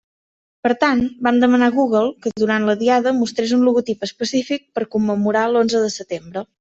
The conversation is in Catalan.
Per tant, vam demanar a Google que durant la Diada mostrés un logotip específic per commemorar l'onze de setembre.